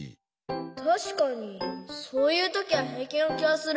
たしかにそういうときはへいきなきがする。